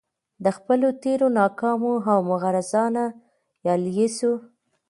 د خپلو تیرو ناکامو او مغرضانه يالیسیو